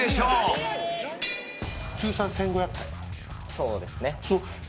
そうですね。